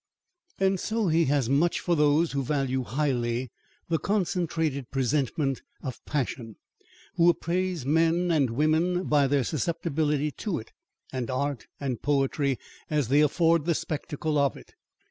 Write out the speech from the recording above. And so he has much for those who value highly the concentrated presentment of passion, who appraise men and women by their susceptibility to it, and art and poetry as they afford the spectacle of it.